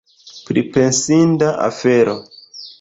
Pripensinda afero!